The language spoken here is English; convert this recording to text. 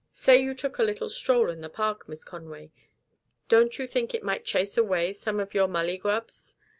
Say you took a little stroll in the park, Miss Conway don't you think it might chase away some of your mullygrubs?